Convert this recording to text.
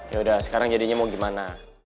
yaudah sekarang jadinya mau gimana